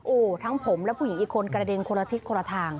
โอ้โหทั้งผมและผู้หญิงอีกคนกระเด็นคนละทิศคนละทาง